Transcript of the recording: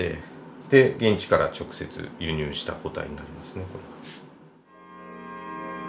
で現地から直接輸入した個体になりますね。